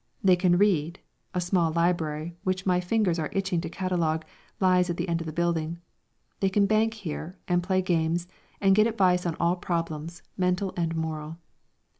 They can read (a small library, which my fingers are itching to catalogue, lies at the end of the building); they can bank here, and play games, and get advice on all problems, mental and moral.